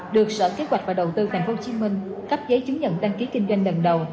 được sở kế hoạch và đầu tư tp hcm cấp giấy chứng nhận đăng ký kinh doanh lần đầu